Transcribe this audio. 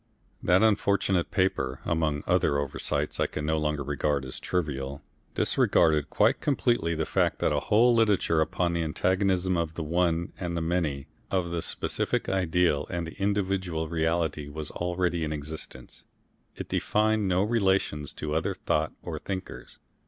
That unfortunate paper, among other oversights I can no longer regard as trivial, disregarded quite completely the fact that a whole literature upon the antagonism of the one and the many, of the specific ideal and the individual reality, was already in existence. It defined no relations to other thought or thinkers.